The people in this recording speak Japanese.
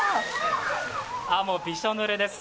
もう、びしょぬれです。